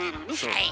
はい。